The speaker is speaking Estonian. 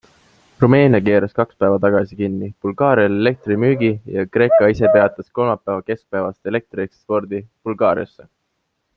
Rumeenia keeras kaks päeva tagasi kinni Bulgaariale elektri müügi ja Kreeka ise peatas kolmapäeva keskpäevast elektriekspordi Bulgaariasse.